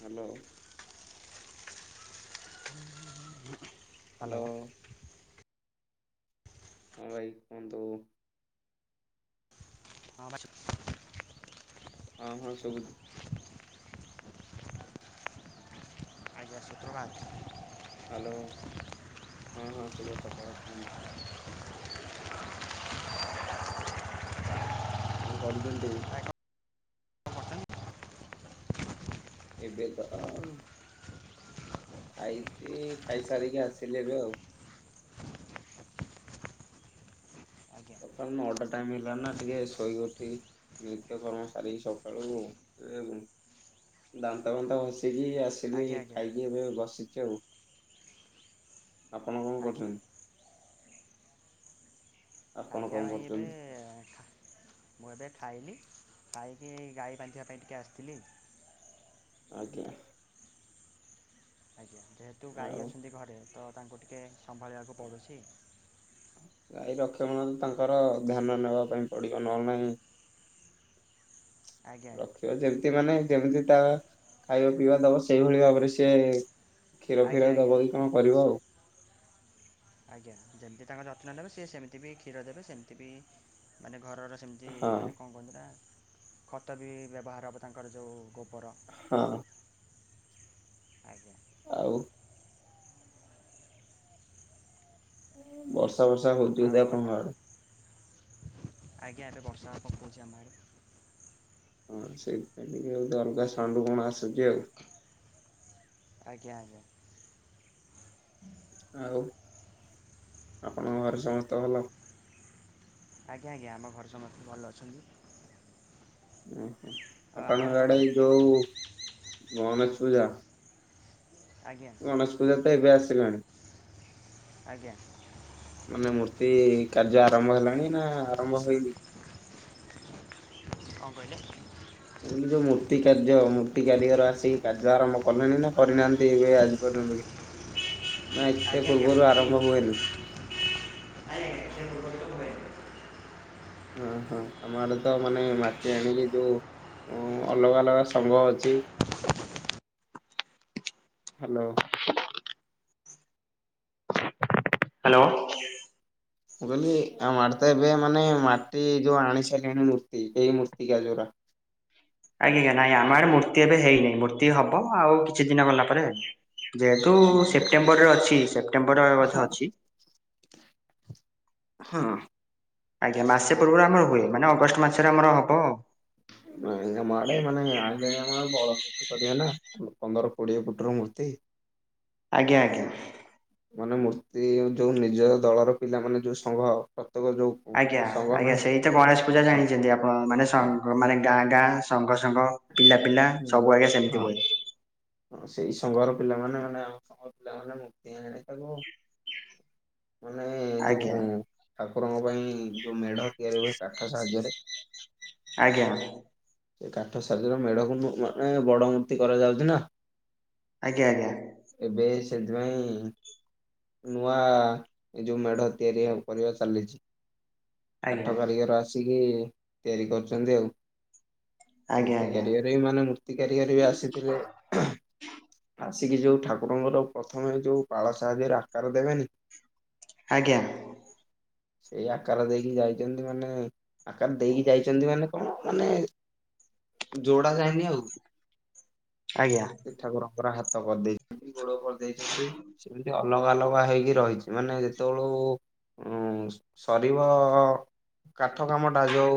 Hello. [inaudible] Hello. ହଁ ଭାଇ କୁହନ୍ତୁ। ହଁ [unintelligible] ହଁ ହଁ ଶୁଭୁଚି। ଚତୁରଥ ହ୍ୟାଲୋ ହଁ ହଁ ସୁଭା ସକାଳ କୁହ କଣ କରୁଛନ୍ତି? ଭାଇ କଣ କରୁଛନ୍ତି? ଏବେ ତ ଖାଇଛି ଖାଇସାରିକି ଆସିଲେ ଏବେ ଆଉ। ଆଜ୍ଞା ସକାଳ ନଅଟା ଟାଇମ ହେଲା ନା ଟିକେ ଶୋଇକି ଉଠି ନୃତ୍ୟ କରମ ସାରିକି ସକାଳୁ ଦାନ୍ତ ଫାନ୍ତ ଘସିକି ଆସିଲି ଆଜ୍ଞା ଆଜ୍ଞା ଖାଇକି ଏବେ ବସିଛି ଆଉ। ଆପଣ କଣ ଆଜ୍ଞା କରୁଛନ୍ତି? ଆପଣ ଆଜ୍ଞା କଣ ଭାଇ ଏବେ କରୁଛନ୍ତି? ମୁଁ ଏବେ ଖାଇଲି ଖାଇକି ଗାଈ ବାନ୍ଧିବା ପାଇଁ ଟିକେ ଆସିଥିଲି। ଆଜ୍ଞା। ଆଜ୍ଞା ଯେହେତୁ ଗାଈ ଆଉ ଅଛନ୍ତି ଘରେ ତ ତାଙ୍କୁ ଟିକେ ସମ୍ଭାଳିବାକୁ ପଡ଼ୁଛି। ଗାଈରକ୍ଷମଣ ତାଙ୍କର ଧ୍ୟାନ ନେବା ପାଇଁ ପଡିବ ନହେଲେ ନାହିଁ। [inaudible] ଆଜ୍ଞା ରଖିବା ଯେମିତି ମାନେ ଯେମିତି ତା ଖାଇବା ପିଇବା ଦବ ସେଇଭଳି ଭାବରେ ସିଏ କ୍ଷୀର ଆଜ୍ଞା ଫିର ଆଜ୍ଞା ଦବ କି କଣ କରିବ ଆଉ। ଆଜ୍ଞା ଯେମିତି ତାଙ୍କର ଯତ୍ନ ନେବେ ସିଏ ସେମତି ବି କ୍ଷୀର ଦେବେ ସେମିତି ବି ମାନେ ଘରର ସେମିତି ହଁ ମାନେ କଣ କୁହନ୍ତି ନା ଖତ ବି ବ୍ୟବହାର ହେବ ତାଙ୍କର ଯେଉଁ ଗୋବର ହଁ। ଆଜ୍ଞା। ଆଉ ବର୍ଷା ବର୍ଷା ହଉଛି ଆଉ ବୋଧେ ଆପଣ ଆପଣଙ୍କ ଆଡ଼େ। ଆଜ୍ଞା ଏବେ ବର୍ଷା ହେ ପକ୍ଉଛି ଆମ ଆଡ଼େ ହଁ ସେଇଥିପାଇଁ ଟିକେ ହଉ ଅଲଗା ସାଉଣ୍ଡ କଣ ଆସୁଛି ଆଉ। ଆଜ୍ଞା ଆଜ୍ଞା। ଆଉ ଆପଣଙ୍କ ଘରେ ସମସ୍ତେ ଭଲ। ଆଜ୍ଞା ଆଜ୍ଞା ଆମ ଘର ସମସ୍ତେ ଭଲ ଅଛନ୍ତି। ଓହୋ ଆଉ ଆପଣଙ୍କ ଆଡେ ଘରେ? ଯୋଉ ଗଣେଶ ପୂଜା। ଆଜ୍ଞା। ଗଣେଶ ପୂଜା ତ ଏବେ ଆସିଲାଣି। ଆଜ୍ଞା। ମାନେ ମୂର୍ତ୍ତି କାର୍ଯ୍ୟ ଆରମ୍ଭ ହେଲାଣି ନା ଆରମ୍ଭ ହେଇନି? କଣ କହିଲେ? ମୁଁ କହିଲି ଯୋଉ ମୂର୍ତ୍ତି କାର୍ଯ୍ୟ ମୂର୍ତ୍ତି କାରିଗର ଆସିକି କାର୍ଯ୍ୟ ଆରମ୍ଭ କଲେଣି ନା କରିନାହାନ୍ତି ଏବେ ଆଜି ପର୍ଯ୍ୟନ୍ତ ବି। ହ [inaudible] ନା ଏତେ ପୂର୍ବରୁ ଆରମ୍ଭ ହୁଏନି। ନାଇଁ ଆଜ୍ଞା ଏତେ ପୂର୍ବରୁ ତ ହୁଏ। ଓ ହଁ ଆମ ଆଡେ ତ ମାନେ ମାଟି ଆଣିକି ଯୋଉ ଉ ଅଲଗା ଅଲଗା ସଂଘ ଅଛି। ହ୍ୟାଲୋ। ହ୍ୟାଲୋ। ମୁଁ କହିଲି ଆମ ଆଡେ ତ ଏବେ ମାନେ ମାଟି ଯୋଉ ଆଣି ସାରିଲେଣି ମୂର୍ତ୍ତି ଏଇ ମୂର୍ତିକା ଯୋଉରା। ଆଜ୍ଞା ଆଜ୍ଞା ନାଇଁ ଆମ ଆଡେ ମୂର୍ତ୍ତି ଏବେ ହେଇନି ମୂର୍ତ୍ତି ହବ ଆଉ କିଛି ଦିନ ଗଲା ପରେ ଯେହେତୁ ଆମ ଆଡେ ସେପ୍ଟେମ୍ବରରେ ଅଛି ସେପ୍ଟେମ୍ବର ବୋଧେ ହଁ ଅଛି। ହଁ। ଆଜ୍ଞା ମାସେ ପୂର୍ବରୁ ଆମର ହୁଏ ମାନେ ଅଗଷ୍ଟ ମାସରେ ଆମର ହବ। ନାଇଁ ଆମ ଆଡ଼େ ମାନେ ଆଇଲେଣି ଆମ ଗାଁ ରେ ବଳଦ କରିବା ନା ପନ୍ଦର କୋଡିଏ ଫୁଟୁ ର ମୂର୍ତ୍ତି। ଆଜ୍ଞା ଆଜ୍ଞା। ମାନେ ମୂର୍ତ୍ତି ଯଉ ନିଜ ଦଳର ପିଲା ମାନେ ଯଉ ସଂଘ ପ୍ରତ୍ୟେକ ଯଉ ଆଜ୍ଞା -ଆଜ୍ଞା ସେଇ ତ ଗଣେଶ ପୂଜା ଜାଣିଚନ୍ତି ଆପଣ ମାନେ ସଙ୍ଗ- ମାନେ ଗାଁ- ଗାଁ ସଙ୍ଗ- ସଙ୍ଗ ପିଲା- ପିଲା ହଁ ସବୁ ଆଜ୍ଞା ହଁ ସେମିତି ହୁଏ। ହଁ ସେଇ ସଂଘର ପିଲାମାନେ ମାନେ ଆମ ସଂଘର ପିଲାମାନେ ମୂର୍ତ୍ତି ଆଣିଲେ ତାକୁ ହଁ [inaudible] ମାନେ ଯଉ ଠାକୁରଙ୍କ ପାଇଁ ଯଉ ମେଢ ତିଆରି ହୁଏ କାଠ ସାହାଯ୍ୟରେ ଆଜ୍ଞା। ସେ କାଠ ସାହାଯ୍ୟରେ ମେଢକୁ ବୁ-ଆଁ-ଏଁ ବଡ ମୂର୍ତ୍ତି କରାଯାଉଚି ନା। ଆଜ୍ଞା ଆଜ୍ଞା। ଏବେ ସେଥିପାଇଁ ନୂଆ ଏ ଯଉ ମେଢ ତିଆରି ହ-କରିବା ଚାଲିଚି। କାଠ ଆଜ୍ଞା। କାରିଗର ଆସିକି ତିଆରି କରିଚନ୍ତି ଆଉ। ହୁଁ- ଆଜ୍ଞା ଆଜ୍ଞା ତିଆରି ବାରେ ମାନେ ମୂର୍ତ୍ତି କାରିଗର ବି ଆସିଥିଲେ। ଆସିକି ଯଉ ଠାକୁରଙ୍କର ପ୍ରଥମେ ଯଉ ପାଳ ସାହାଯ୍ୟରେ ଆକାର ଦେବେନି ଆଜ୍ଞା। ସେଇ ଆକାର ଦେଇକି ଯାଇଚନ୍ତି ମାନେ ଆକାର ଦେଇକି ଯାଇଚନ୍ତି ମାନେ କଣ ମାନେ ଯୋଡା ଯାଇନି ଆଉ ଆଜ୍ଞା। ସେ ଠାକୁରଙ୍କର ହାତ କରିଦେଇଚନ୍ତି ଗୋଡ କରିଦେଇଚନ୍ତି ସେମିତି ଅଲଗା ଅଲଗା ହେଇକି ରହିଚି ମାନେ ଯେତେବଳୁ ଉଁ- ସରିବ କାଠ କାମଟା ଯଉ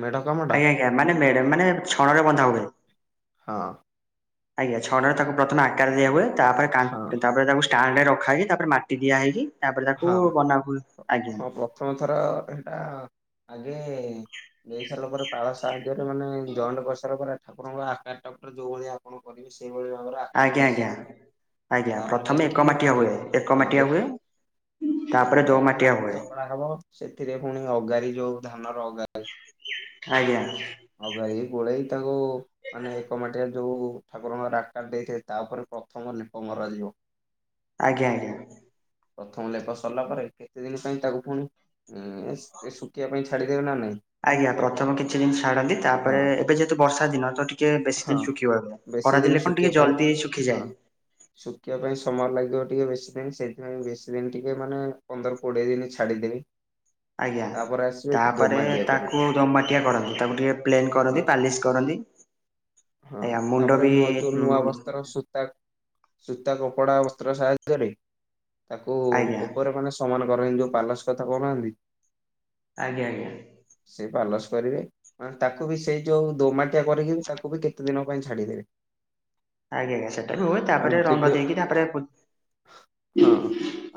ମେଢ଼ ଆଜ୍ଞା ଆଜ୍ଞା ମାନେ ମେଢ୍- ମାନେ ଛଣରେ ବନ୍ଧା ହୁଏ। ହଁ। ଆଜ୍ଞା ଛଣରେ ତାକୁ ପ୍ରଥମେ ଆକାର ଦିଆ ହୁଏ ତାପରେ ହଁ କା- ତାପରେ ତାକୁ ସ୍ ଷ୍ଟାଣ୍ଡ ରେ ରଖା ହେଇି କି ତାପରେ ମାଟି ଦିଆ ହେଇକି ତାପରେ ତାକୁ ହଁ ବନାହୁଏ ଆଜ୍ଞା। ହଁ ପ୍ରଥମ ଥର ହେଟା ଆଗେ ଦେଇ ସାରିଲା ପରେ ପାଳ ସାହାଯ୍ୟରେ ମାନେ ଜଏଣ୍ଟ୍ କରିସାରିଲା ପରେ ଆପଣଙ୍କୁ ଆକାର ଟା ପୁରା ଯଉ ଭଳିଆ ଆପଣ ସେଇଭଳି ଭାବରେ ଆ ଆଜ୍ଞା ଆଜ୍ଞା -ଆଜ୍ଞା ପ୍ରଥମେ ଏକ ଯାଇକି ମାଟିଆ ହୁଏ- ଏକ ମାଟିଆ ହୁଏ ଏକ ତାପରେ ଦୋ ମାଟି ମାଟିଆ ମାଟି ହୁଏ। ଚକଡା ହବ ସେଥିରେ ପୁଣି ଅଗାରି ଯଉ ଧାନ ର ଅଗାରି। ଆଜ୍ଞା। ଅଗାରି କି ଗୋଳେଇ ତାକୁ ମାନେ ଏକ ମାଟିରେ ଯଉ ଠାକୁରଙ୍କ ଆକାର ଦେଇଥାଏ ତା ପରେ ପ୍ରଥମ ଲେପ ମରାଯିବ। ଆଜ୍ଞା ଆଜ୍ଞା। ପ୍ରଥମ ଲେପ ସରିଲା ପରେ କିଛି ଦିନ ପାଇଁ ତାକୁ ପୁଣି ଉଁ -ସ୍ ଟିକେ ଶୁକିବା ପାଇଁ ଛାଡିଦେବେ ନା ନାଇଁ। ଆଜ୍ଞା ପ୍ରଥମ କିଛି ଦିନ୍ ଛାଡନ୍ତି ହଁ ତାପରେ ଏବେ ଯେହେତୁ ବର୍ଷା ଦିନ ତ ଟିକେ ବେଶି ହଁ ଦିନ ଶୁଖିବା ଦରକାର୍ ବେଶୀ ଦିନ ଖରାଦିନେ କଣ୍ ଶୁଖିବା ଟିକେ ପାଇଁ ଜଲ୍ଦି ଶୁଖି ହଁ ଯାଏ। ଶୁଖିବା ପାଇଁ ସମୟ ଲାଗିବ ଟିକେ ବେଶୀ ଦିନ୍ ସେଥିପାଇଁ ବେଶୀ ଦିନ ଟିକେ ମାନେ ପନ୍ଦର କୋଡ଼ିଏ ଦିନି ଛାଡ଼ିଦେବି। ଆଜ୍ଞା। ତାପରେ କରିବେ ତାକୁ ଦୋମାଟିଆ କରନ୍ତି ତାକୁ ଟିକେ ପ୍ଲେନ୍ ହଁ କରନ୍ତି ପାଲିସ୍ କରନ୍ତି। ହଁ ଆଜ୍ଞା ମୁଣ୍ଡ ତାପରେ ବି ନୂଆ ଯଉ ନୂଆ ବସ୍ତ୍ର ସୂତା ସୂତା କପଡା ବସ୍ତ୍ର ସାହାଯ୍ୟରେ ତାକୁ ଆଜ୍ଞା ଉପରେ ମାନେ ସମାନ କରନ୍ତି ଯଉ ପାଲସ୍ କଥା କହୁନାହାନ୍ତି ଆଜ୍ଞା ଆଜ୍ଞା। ସେ ପାଲସ୍ କରିବେ ମାନେ ତାକୁ ବି ସେଇ ଯଉ ଦୋମାଟିଆ କରିକି ତାକୁ ତାକୁ ବି କେତେ ଦିନ ପାଇଁ ଛାଡ଼ିଦେବେ। ଆଜ୍ଞା ଆଜ୍ଞା ସେଟା ବି ହୁଏ ଆଉ ତାପରେ ରଙ୍ଗ ଯେବେ ଦେଇକି ତାପରେ ପୁ ହଁ,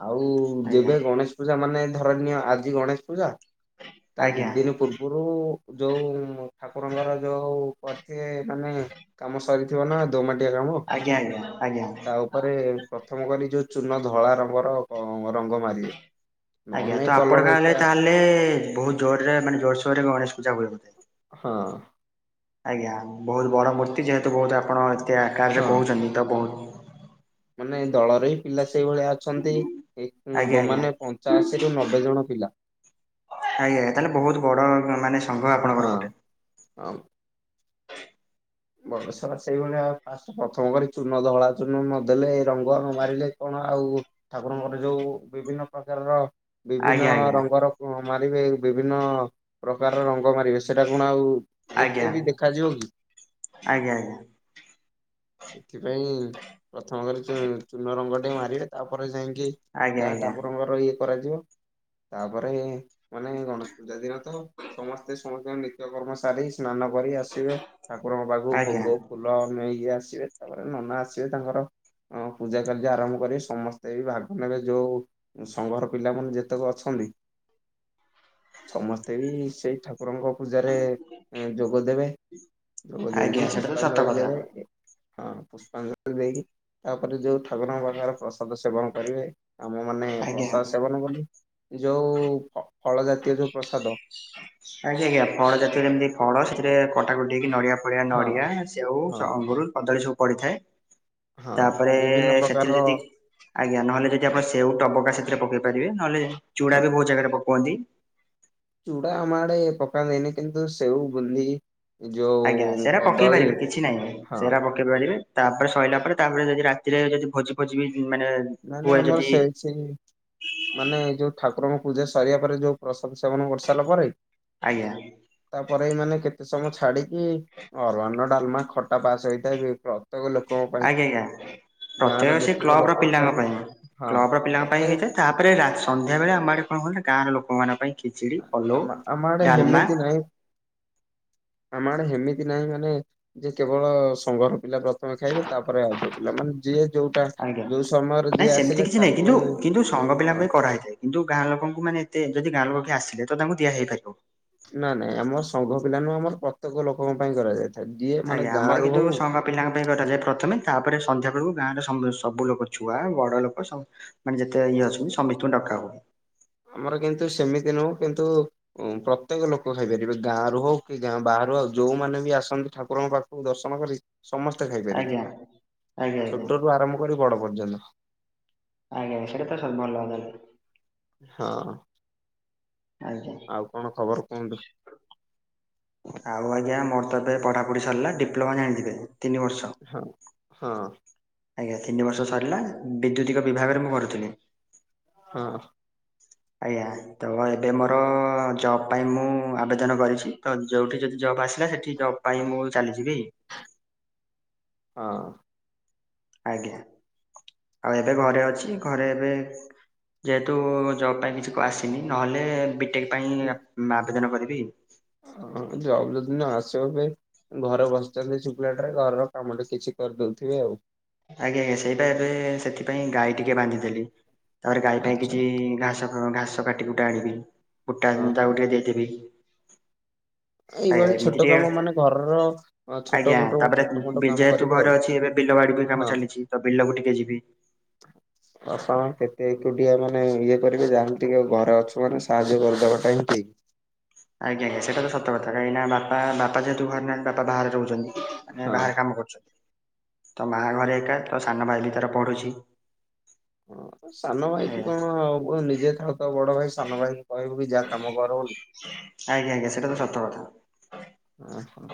ଆଉ ଆଜ୍ଞା ଯେବେ ଗଣେଶ୍ ପୂଜା ମାନେ ଧରନିୟ ଆଜି ଗଣେଶ ପୂଜା ତା ଦି ଆଜ୍ଞା। ଦିନ ପୂର୍ବରୁ ଯୋଉ ଠାକୁରଙ୍କର ଯୋଉ ତେ ମାନେ କାମ ସରିଥିବ ନା ଦୋମାଟିଆ କାମ। ଆଜ୍ଞା ଆଜ୍ଞା ଆଜ୍ଞା। ତା ଉପ୍ ପରେ ପ୍ରଥମ କରି ଯୋଉ ଚୂନ ଧଳା ରଙ୍ଗର ହଁ ରଙ୍ଗ ମାରି ଆଜ୍ଞା ତ ଆପଣଙ୍କ ଆଡେ ତାହେଲେ ବହୁତ ଜୋରରେ ମାନେ ଜୋରସୋରରେ ଗଣେଶ ପୂଜା ହୁଏ ବେଧେ। ହଁ। ଆଜ୍ଞା ବହୁତ ବଡ ମୂର୍ତ୍ତି ଯେହେତୁ ବହୁତ ଆପଣ ଏତେ ଆକାରରେ ହଁ। କହୁଛନ୍ତି ତ ବହୁତ୍ ମାନେ ଦଳରେ ହିଁ ପିଲା ସେଇଭଳିଆ ଅଛନ୍ତି ଏ ଆଜ୍ଞା ଆଜ୍ଞା ମାନେ ପଞ୍ଚାଅଶୀରୁ ନବ୍ ବେ ଜଣ ପିଲା। ଆଜ୍ଞା ତାହେଲେ ବହୁତ ବଡ ମାନେ ସଂଘ ଆପଣଙ୍କର ଗୋଟେ। ଆଉ। ବଡ ଶଳା ସେଇଭଳିଆ ଫାଷ୍ଟ୍ ପ୍ରଥମ କରି ଚୂନ ଧଳା ଚୂନ ନଦେଲେ ଏ ରଙ୍ଗ ନ ମାରିଲେ କଣ ଆଉ ଠାକୁରଙ୍କର ଯୋଉ ବିଭିନ୍ନ ପ୍ରକାରର ଆଜ୍ଞା ବିଭିନ୍ନ ଆଜ୍ଞା ରଙ୍ଗର କଣ ମାରିବେ ବିଭିନ୍ନ ପ୍ରକାରର ରଙ୍ଗ ମାରିବେ ସେଇଟା କଣ ଆଉ ଏତେ ଆଜ୍ଞା ବି ଦେଖାଯିବ କି ଆଜ୍ଞା ଆଜ୍ଞା। ସେଥିପାଇଁ ପ୍ରଥମ କରି ଚୂ ଚୂନ ରଙ୍ଗ ଟେ ମାରିବେ ତାପରେ ଯାଇଁ ଯେ ଆଜ୍ଞା ଏହା ଆଜ୍ଞା ତା ପର ରଙ୍ଗର ଇଏ କରାଯିବ। ତାପରେ ମାନେ ଗଣେଶ ପୂଜା ଦିନ ତ ସମସ୍ତେ ସମସ୍ତଙ୍କ ନିତ୍ୟ କର୍ମ ସାରି, ସ୍ନାନ କରି ଆସିବେ ଠାକୁରଙ୍କ ପାଖକୁ ଆଜ୍ଞା ଭୋଗ ଫୁଲ ନେଇକି ଆସିବେ ତାପରେ ନନା ଆସିବେ ତାଙ୍କର ହଁ ପୂଜା କାର୍ଯ୍ୟ ଆରମ୍ଭ କରିବି ସମସ୍ତେ ବି ଭାଗ ନେବେ ଯୋଉ ସଂଘର ପିଲାମାନେ ଯେତେକ ଅଛନ୍ତି ସମସ୍ତେ ବି ସେଇ ଠାକୁରଙ୍କ ପୂଜାରେ ଯୋଗ ଦେବେ। ଭୋଗ ଆଜ୍ଞା ଦେଇକି ସେଟା ତ ସତ ପୁଷ୍ପାଞ୍ଜଳି କଥା ଦେବେ। ହଁ, ପୁଷ୍ପାଞ୍ଜଳି ଦେଇକି ତାପରେ ଯୋଉ ଠାକୁରଙ୍କ ପାଖର ପ୍ରସାଦ ସେବନ କରିବେ। ଆମ ମାନେ ଆଜ୍ଞା। ପ୍ରସାଦ୍ ସେବନ କଲି ଯୋଉ ଫ ଫଳ ଜାତୀୟ ଯୋଉ ପ୍ରସାଦ। ଆଜ୍ଞା ଆଜ୍ଞା ଫଳ ଜାତୀୟ ଯେମିତି ଫଳ ସେଥିରେ କଟାକଟି ହେଇକି ନଡିଆ ଭଳିଆ ହଁ ନଡ଼ିଆ ସେଉ ହଁ ଅଙ୍ଗୁରୁ କଦଳୀ ସବୁ ପଡିଥାଏ। ହଁ ତାପରେ ବିଭିନ୍ନ ସେଥିରେ ପ୍ରକାରର ଯେତିକ୍ ହଁ ଆଜ୍ଞା ନହେଲେ ଯଦି ଆପଣ ସେଉ ଟବକା ସେଥିରେ ପକେଇ ପାରିବେ ନହେଲେ ଚୁଡା ବି ବହୁତ ଜାଗାରେ ପକୋନ୍ତି। ଚୁଡ଼ା ଆମ ଆଡେ ପକାନ୍ତିନି କିନ୍ତୁ ସେଓ, ବୁଂନ୍ଦି ଆଜ୍ଞା ସେରା ପକେଇ ପାରିବେ କିଛି ନାଇଁ ହଁ ସେରା ପକ୍ କେଇ ପାରିବେ ତାପରେ ସଇଲା ପରେ ତାପରେ ଯଦି ରାତିରେ ଯଦି ଭୋଜି ଫୋଜି ବି ମାନେ ମାନେ ହୁଏ ଆମର ଯଦି ସେଟିଂ। ମାନେ ଏ ଯୋଉ ଠାକୁରଙ୍କ ପୂଜା ସରିବା ପରେ ଯୋଉ ପ୍ରସାଦ ସେବନ କରିସାରିଲା ପରେ ଆଜ୍ଞା। ତାପରେ ମାନେ କେତେ ସମୟ ଛାଡିକି ଅରୁଆ ଅର୍ଣ୍ଣ ଡାଲମା ଖଟା ପାସ୍ ହେଇଥାଏ ଏ କ୍ଲବ୍। ଆଜ୍ଞା ଆଜ୍ଞା ଗାଁ ର ପ୍ରତ୍ୟେକ ସେ ଯେତେକ କ୍ଲବ ର ଲୋକ ପିଲାଙ୍କ ଅଛନ୍ତି ପାଇଁ ହଁ କ୍ଲବ ର ପିଲାଙ୍କ ପାଇଁ ପ୍ରତ୍ୟେକ ହେଇଥାଏ ତା ପରେ ରାତ୍ ସନ୍ଧ୍ୟା ବେଳେ ଆମ ଆଡେ କଣ କହିଲୁ ଗାଁ ର ଲୋକମାନଙ୍କ ପାଇଁ ଖିଚିଡି, ପଲଉ, ଆମ ଆମ ଆଡେ ଡାଲମା। ହେମିତି ନାହିଁ [inaudible] ଆମ ଆଡେ ହେମିତି ନାହିଁ ମାନେ ଯେ କେବଳ ସଙ୍ଘର ପିଲା ପ୍ରଥମେ ଖାଇବେ ତାପରେ ଆଉ ଯଉ ପିଲା ମାନେ। ଯିଏ ଯୋଉଟା ଆଜ୍ଞା ଯୋଉ ସମୟରେ ନାଇଁ ଯିଏ ସେମିତି ଆସିଲେ କିଛି ନାହିଁ ତାକୁ କିନ୍ତୁ ହିଁ କିନ୍ତୁ ସଙ୍ଘ ପିଲାଙ୍କ ହଁ ପାଇଁ କରାହେଇଥାଏ। ଯୋଉ ଗାଁ ଲୋକଙ୍କୁ ମାନେ ଏତେ ଯଦି ଗାଁ ଲୋକ କିଏ ଆସିଲେ ତ ତାଙ୍କୁ ଦିଆ ହେଇପାରିବ। ନା ନାଇଁ ଆମର ସଂଘ ପିଲା ନୁହ ଆମର ପ୍ରତ୍ୟେକ ଲୋକଙ୍କ ପାଇଁ କରାଯାଇଥାଏ ଯିଏ ମାନେ ଆଜ୍ଞା ଆମର ଗାଁ ରୁ କିନ୍ତୁ ହଉ। ସଂଘ ପିଲାଙ୍କ ପାଇଁ [unintelligible] ପ୍ରଥମେ ତାପରେ ସନ୍ଧ୍ୟା ବେଳକୁ ଗାଁର ସମ୍ବେ ସବୁ ଲୋକ ଛୁଆ ବଡ ଲୋକ ସବ୍ ମାନେ ଯେତେ ଇଏ ଅଛନ୍ତି [unintelligible] ଡକା ହବ। ଆମର କିନ୍ତୁ ସେମିତି ନୁହଁ କିନ୍ତୁ ଉଁ ପ୍ରତ୍ୟେକ ଲୋକ ଖାଇପାରିବେ ଗାଁ ରୁ ହଉ କି ଗାଁ ବାହାରୁ ଆଉ ଯଉମାନେ ବି ଆସନ୍ତି ଠାକୁରଙ୍କ ପାଖକୁ ଦର୍ଶନ କରି ସମସ୍ତେ ଖାଇପାରିବେ ଆଜ୍ଞା ଆଜ୍ଞା ଆଜ୍ଞା ଛୋଟ ରୁ ଆରମ୍ଭ କରି ବଡ ପର୍ଯ୍ୟନ୍ତ। ଆଜ୍ଞା ସେଟାତ ସ ଭଲ ତାହେଲେ। ହଁ। ଆଜ୍ଞା। ଆଉ କଣ ଖବର କୁହନ୍ତୁ? ଆଉ ଆଜ୍ଞା ମୋର ତ ଏବେ ପଢାପୁଢ଼ି ସାରିଲା ଡିପ୍ଲୋମା ଜାଣିଥିବେ ତିନି ବର୍ଷ। ହଁ, ହଁ। ଆଜ୍ଞା ତିନି ବର୍ଷ ସରିଲା ବିଦ୍ୟୁତିକ ବିଭାଗରେ ମୁଁ କରୁଥିଲି। ହଁ। ଆଜ୍ଞା ତ ଏବେ ମୋର ଜବ ପାଇଁ ମୁଁ ଆବେଦନ କରିଛି ତ ଜବ୍ ଟି ଯଦି ଜବ୍ ଆସିଲା ସେଠି ଜବ୍ ପାଇଁ ମୁଁ ଚାଲିଯିବି। ହଁ। ଆଜ୍ଞା ଆଉ ଏବେ ଘରେ ଅଛି ଘରେ ଏବେ ଯେହେତୁ ଜବ ପାଇଁ କିଛି ଆସିନି ନହେଲେ ବିଟେକ୍ ପାଇଁ ଆବ ଆବେଦନ କରିବି। ହ ଜବ ଯଦି ନ ଆସିଵ ଫିର। ଘର ବସିଛନ୍ତି ଶୁଖିଲାଟାରେ ଘରର କାମ ଟେ କିଛି କରିଦଉଥିବେ ଆଉ। ଆଜ୍ଞା ଆଜ୍ଞା ସେଇଟା ଏବେ ସେଥିପାଇଁ ଗାଈ ଟିକେ ବାନ୍ଧି ଦେଲି ତାପରେ ଗାଈ ପାଇଁ ଆଚ୍ଛା କିଛି ଘାସ ହଁ ଘାସ କାଟି କୁଟା ଆଣିବି କୁଟା ହଁ ତାକୁ ହଁ ଟିକେ ଦେଇଦେବି। ଆଜ୍ଞା ଏଇଭଳି ଏମିତି ଛୋଟ କାମ ଟିକେ ମାନେ ଘରର ହଁ ଛୋଟ ଆଜ୍ଞା ମୋଟ ତାପରେ ଛୋଟ ମୋଟ ବି କାମ ଯେହେତୁ କରିବେ ଆଉ ଘରେ ଅଛି ଏବେ ବିଲ ବାଡିି ବି କାମ ହଁ ଚାଲିଛି ତ ବିଲକୁ ଟିକେ ଯିବି। ବାପା ମା କେତେ ଏକୁଟିଆ ମାନେ ଇଏ କରିବେ ଯାହେଲେ ଟିକେ ଘରେ ଅଛୁ ମାନେ ସାହାଯ୍ୟ କରିଦବାଟା ହିଁ ଠିକ। ଆଜ୍ଞା ଆଜ୍ଞା ସେଟା ତ ସତ କଥା କାହିଁକି ନା ବାପ ବାପା ଯେହେତୁ ଘରେ ନାହାନ୍ତି ବାପା ବାହାରେ ରହୁଛନ୍ତି। ମାନେ ହଁ। ବାହାରେ କାମ କରୁଛନ୍ତି। ତ ମା ଘରେ ଏକା ତ ସାନ ଭାଇ ବି ତାର ପଢୁଛି। ହଁ ସାନ ଭାଇକି ଆଜ୍ଞା। କଣ ଆଉ ନିଜେ ଥା ତ ବଡ ଭାଇ ସାନ ଭାଇଙ୍କୁ କହିବୁକି ଯା କାମ କର ବୋଲି। ଆଜ୍ଞା ଆଜ୍ଞା ସେଟା ତ ସତ କଥା। ଓ ହୋ।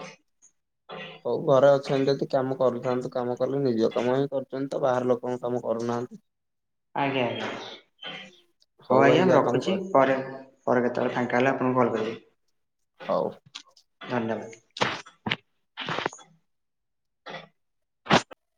ହଉ ଘରେ ଅଛନ୍ତି ଯଦି କାମ କରୁଥାନ୍ତୁ କାମ କଲେ ନିଜ କାମ ହିଁ କରୁଚନ୍ତି ତ ବାହାର ଲୋକଙ୍କ କାମ କରୁନାହାନ୍ତି। [inaudible] ଆଜ୍ଞା ଆଜ୍ଞା। ହଉ ଭାଇ ଆଜ୍ଞା ମୁଁ ଯା କାମ ରଖୁଛି କର ପରେ ପରେ କେତେବେଳେ ଫାଙ୍କା ହେଲେ ଆପଣଙ୍କୁ କଲ୍ କରିବି। ହଉ। ଧନ୍ୟବାଦ୍।